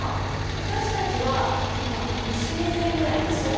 私たちは今虫目線ぐらいなんですね。